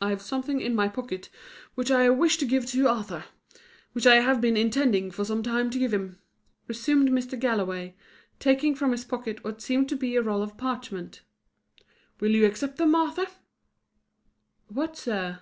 "I have something in my pocket which I wish to give to Arthur; which I have been intending for some time to give him," resumed Mr. Galloway, taking from his pocket what seemed to be a roll of parchment. "Will you accept them, Arthur?" "What, sir?"